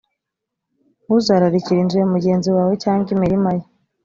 ntuzararikire inzu ya mugenzi wawe cyangwa imirima ye,